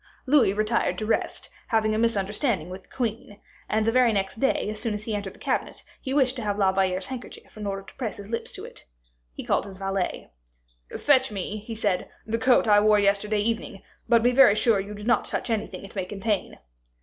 Louis retired to rest, having had a misunderstanding with the queen; and the next day, as soon as he entered the cabinet, he wished to have La Valliere's handkerchief in order to press his lips to it. He called his valet. "Fetch me," he said, "the coat I wore yesterday evening, but be very sure you do not touch anything it may contain."